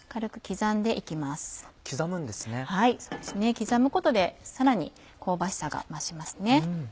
刻むことでさらに香ばしさが増しますね。